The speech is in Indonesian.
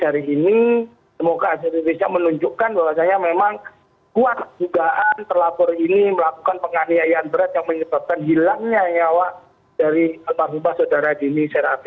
hari ini semoga saya bisa menunjukkan bahwa saya memang kuat jugaan terlapor ini melakukan penganiayaan berat yang menyebabkan hilangnya nyawa dari alpargupa saudara dini